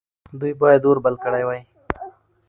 دوی باید اور بل کړی وای.